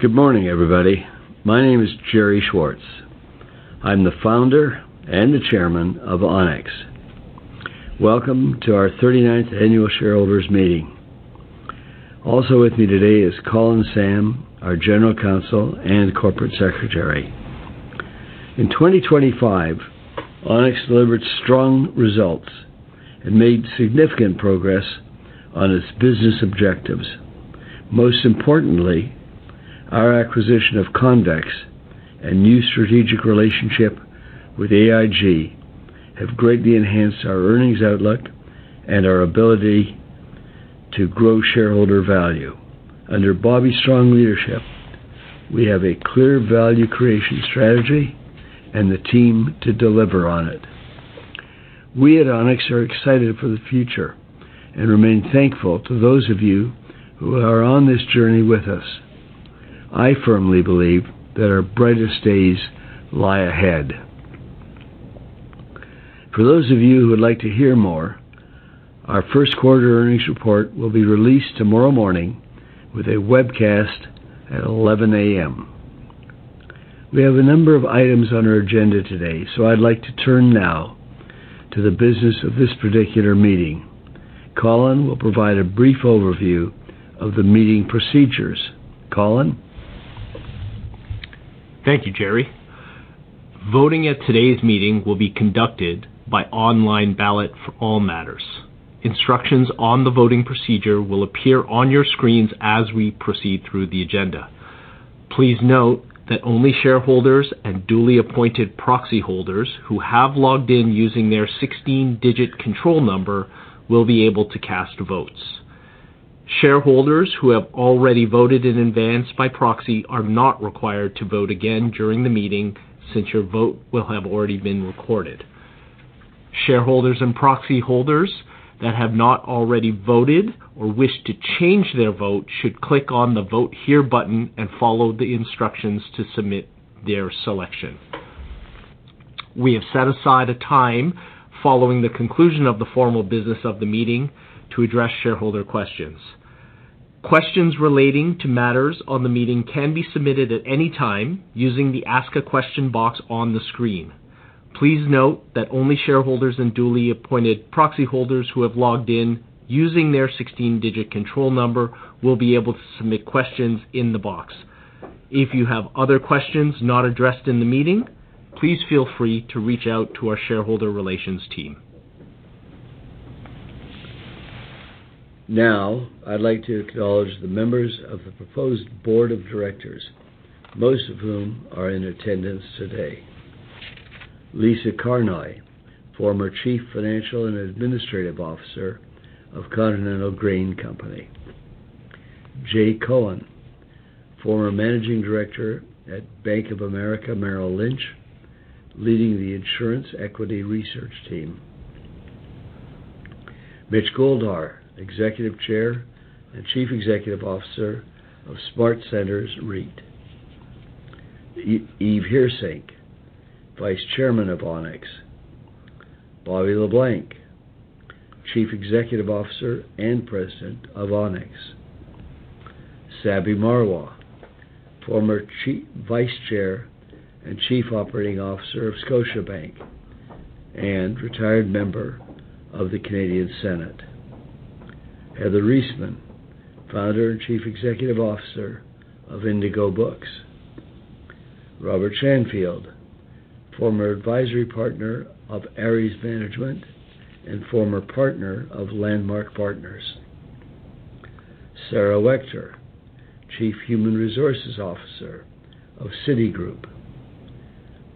Good morning, everybody. My name is Gerry Schwartz. I'm the Founder and the Chairman of Onex. Welcome to our 39th annual shareholders meeting. Also with me today is Colin Sam, our General Counsel and Corporate Secretary. In 2025, Onex delivered strong results and made significant progress on its business objectives. Most importantly, our acquisition of Convex and new strategic relationship with AIG have greatly enhanced our earnings outlook and our ability to grow shareholder value. Under Bobby's strong leadership, we have a clear value creation strategy and the team to deliver on it. We at Onex are excited for the future and remain thankful to those of you who are on this journey with us. I firmly believe that our brightest days lie ahead. For those of you who would like to hear more, our first quarter earnings report will be released tomorrow morning with a webcast at 11:00 A.M. We have a number of items on our agenda today, so I'd like to turn now to the business of this particular meeting. Colin will provide a brief overview of the meeting procedures. Colin? Thank you, Gerry. Voting at today's meeting will be conducted by online ballot for all matters. Instructions on the voting procedure will appear on your screens as we proceed through the agenda. Please note that only shareholders and duly appointed proxy holders who have logged in using their 16-digit control number will be able to cast votes. Shareholders who have already voted in advance by proxy are not required to vote again during the meeting since your vote will have already been recorded. Shareholders and proxy holders that have not already voted or wish to change their vote should click on the Vote Here button and follow the instructions to submit their selection. We have set aside a time following the conclusion of the formal business of the meeting to address shareholder questions. Questions relating to matters on the meeting can be submitted at any time using the Ask a Question box on the screen. Please note that only shareholders and duly appointed proxy holders who have logged in using their 16-digit control number will be able to submit questions in the box. If you have other questions not addressed in the meeting, please feel free to reach out to our shareholder relations team. Now, I'd like to acknowledge the members of the proposed board of directors, most of whom are in attendance today. Lisa Carnoy, former Chief Financial and Administrative Officer of Continental Grain Company. Jay Cohen, former Managing Director at Bank of America, Merrill Lynch, leading the Insurance Equity Research team. Mitch Goldhar, Executive Chair and Chief Executive Officer of SmartCentres REIT. Yves Hirsch, Vice Chairman of Onex. Bobby Le Blanc, Chief Executive Officer and President of Onex. Sabih Marwah, former Vice Chair and Chief Operating Officer of Scotiabank and retired member of the Senate of Canada. Heather Reisman, Founder and Chief Executive Officer of Indigo Books. Robert Shanfield, former Advisory Partner of Ares Management and former partner of Landmark Partners. Sara Wechter, Chief Human Resources Officer of Citigroup.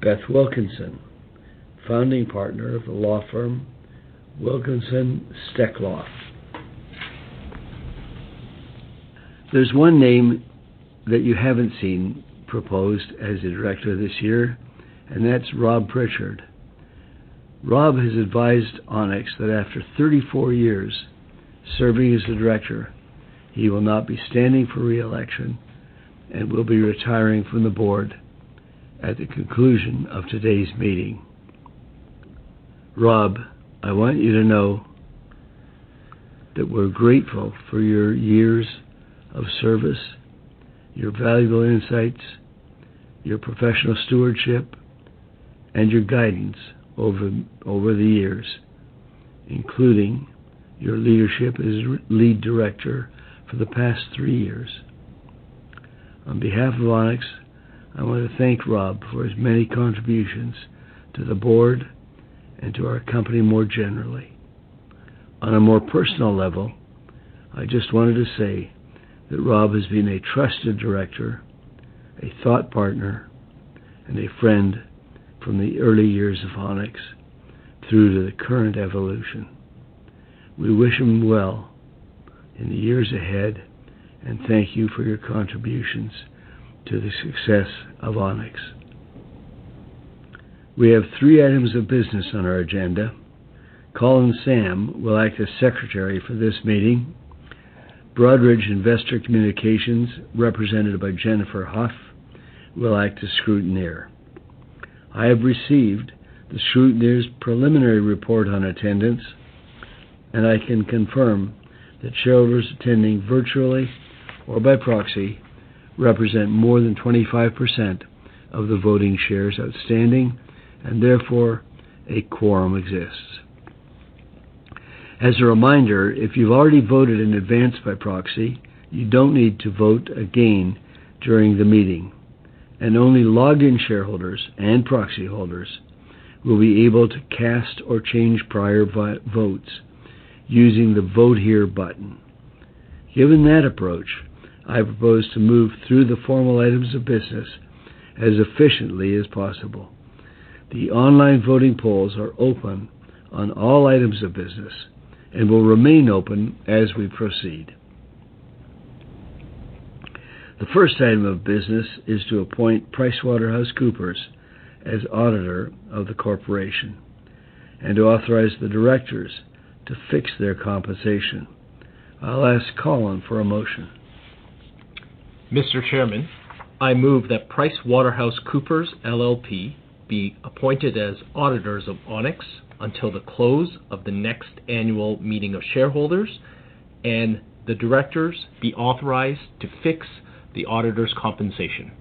Beth Wilkinson, Founding Partner of the law firm Wilkinson Stekloff. There's one name that you haven't seen proposed as a director this year, and that's Rob Prichard. Rob has advised Onex that after 34 years serving as the director, he will not be standing for re-election and will be retiring from the board at the conclusion of today's meeting. Rob, I want you to know that we're grateful for your years of service, your valuable insights, your professional stewardship, and your guidance over the years, including your leadership as Lead Director for the past three years. On behalf of Onex, I want to thank Rob for his many contributions to the board and to our company more generally. On a more personal level, I just wanted to say that Rob has been a trusted director, a thought partner, and a friend from the early years of Onex through to the current evolution. We wish him well in the years ahead and thank you for your contributions to the success of Onex. We have three items of business on our agenda. Colin Sam will act as secretary for this meeting. Broadridge Investor Communications, represented by Jennifer Huff, will act as scrutineer. I have received the scrutineer's preliminary report on attendance, and I can confirm that shareholders attending virtually or by proxy represent more than 25% of the voting shares outstanding, therefore, a quorum exists. As a reminder, if you've already voted in advance by proxy, you don't need to vote again during the meeting. Only logged-in shareholders and proxy holders will be able to cast or change prior votes using the Vote Here button. Given that approach, I propose to move through the formal items of business as efficiently as possible. The online voting polls are open on all items of business and will remain open as we proceed. The first item of business is to appoint PricewaterhouseCoopers as auditor of the corporation and to authorize the directors to fix their compensation. I'll ask Colin for a motion. Mr. Chairman, I move that PricewaterhouseCoopers LLP be appointed as auditors of Onex until the close of the next annual meeting of shareholders and the directors be authorized to fix the auditor's compensation.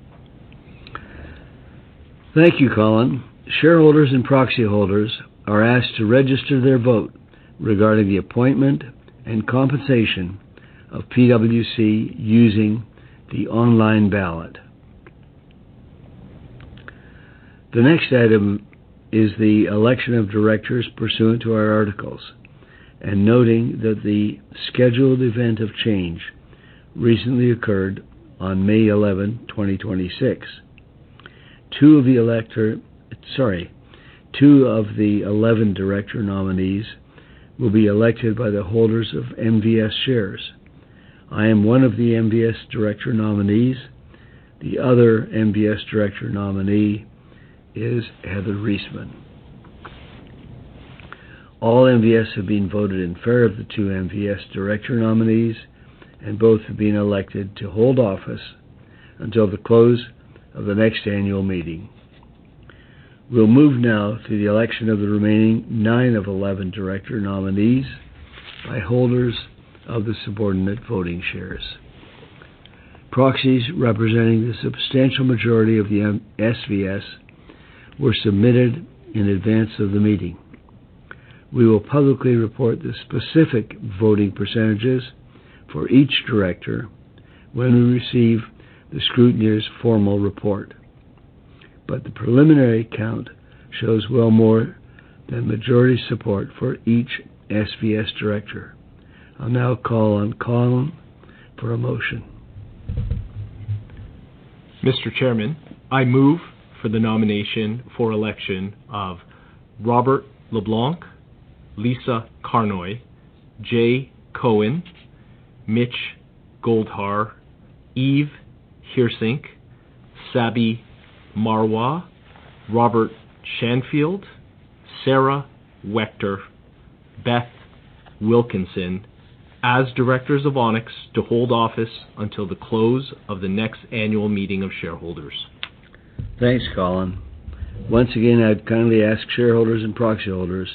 Thank you, Colin. Shareholders and proxy holders are asked to register their vote regarding the appointment and compensation of PwC using the online ballot. The next item is the election of directors pursuant to our articles and noting that the scheduled event of change recently occurred on May 11, 2026. Two of the 11 director nominees will be elected by the holders of MVS shares. I am one of the MVS director nominees. The other MVS director nominee is Heather Reisman. All MVS have been voted in favor of the two MVS director nominees, and both have been elected to hold office until the close of the next annual meeting. We'll move now to the election of the remaining nine of 11 director nominees by holders of the subordinate voting shares. Proxies representing the substantial majority of the SVS were submitted in advance of the meeting. We will publicly report the specific voting percentages for each director when we receive the scrutineer's formal report. The preliminary count shows well more than majority support for each SVS director. I'll now call on Colin for a motion. Mr. Chairman, I move for the nomination for election of Robert Le Blanc, Lisa Carnoy, Jay Cohen, Mitch Goldhar, Yves Hirsch, Sarabjit Marwah, Robert Shanfield, Sara Wechter, Beth Wilkinson as directors of Onex to hold office until the close of the next annual meeting of shareholders. Thanks, Colin. Once again, I'd kindly ask shareholders and proxy holders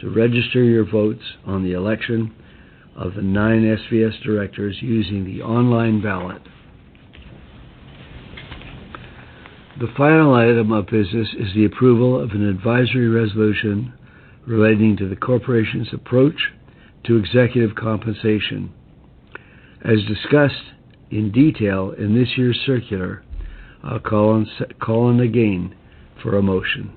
to register your votes on the election of the nine SVS directors using the online ballot. The final item of business is the approval of an advisory resolution relating to the corporation's approach to executive compensation. As discussed in detail in this year's circular, I'll call on again for a motion.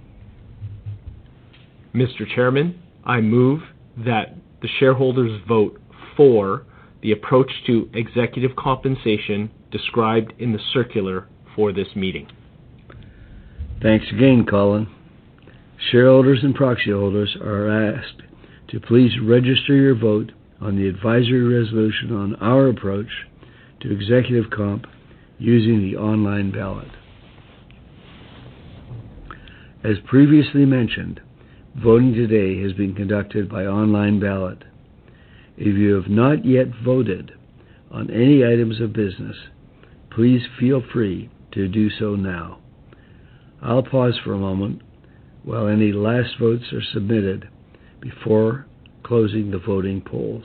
Mr. Chairman, I move that the shareholders vote for the approach to executive compensation described in the circular for this meeting. Thanks again, Colin. Shareholders and proxy holders are asked to please register your vote on the advisory resolution on our approach to executive comp using the online ballot. As previously mentioned, voting today has been conducted by online ballot. If you have not yet voted on any items of business, please feel free to do so now. I'll pause for a moment while any last votes are submitted before closing the voting polls.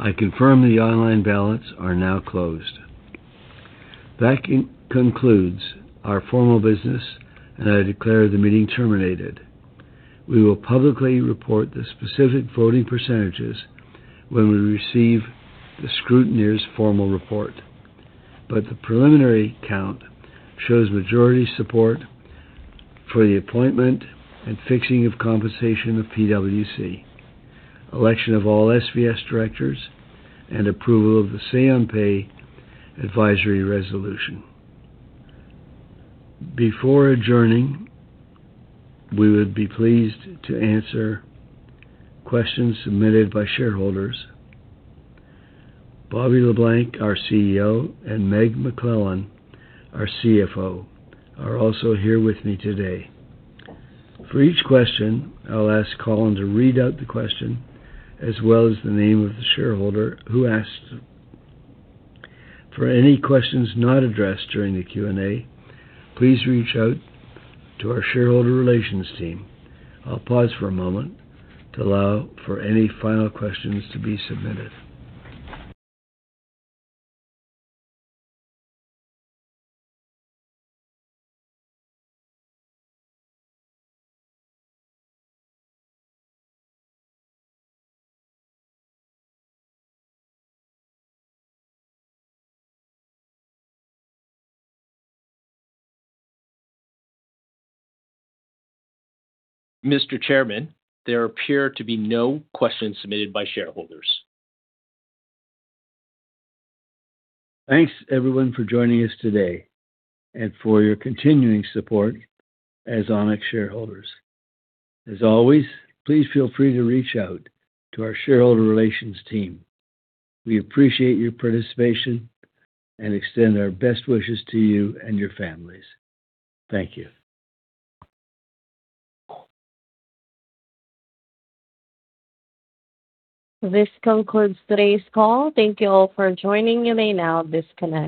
I confirm the online ballots are now closed. That concludes our formal business, and I declare the meeting terminated. We will publicly report the specific voting percentages when we receive the scrutineer's formal report. The preliminary count shows majority support for the appointment and fixing of compensation of PwC, election of all SVS directors, and approval of the say on pay advisory resolution. Before adjourning, we would be pleased to answer questions submitted by shareholders. Bobby Le Blanc, our CEO, and Megan McClellan, our CFO, are also here with me today. For each question, I'll ask Colin to read out the question as well as the name of the shareholder who asked. For any questions not addressed during the Q&A, please reach out to our shareholder relations team. I'll pause for a moment to allow for any final questions to be submitted. Mr. Chairman, there appear to be no questions submitted by shareholders. Thanks, everyone for joining us today and for your continuing support as Onex shareholders. As always, please feel free to reach out to our shareholder relations team. We appreciate your participation and extend our best wishes to you and your families. Thank you. This concludes today's call. Thank you all for joining. You may now disconnect.